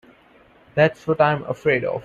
That's what I'm afraid of.